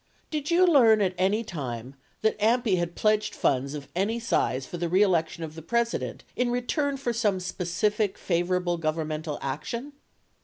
Did you learn at anytime that AMPI had pledged funds of any size for the reelection of the President in return for some specific favorable governmental action?